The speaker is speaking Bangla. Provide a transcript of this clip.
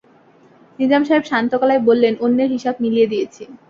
নিজাম সাহেব শান্ত গলায় বললেন, অন্যের হিসাব মিলিয়ে দিয়েছি।